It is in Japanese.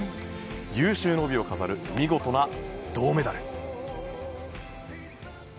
有終の美を飾る見事な銅メダル。